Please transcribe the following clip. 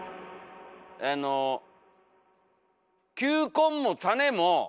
あの球根も種も。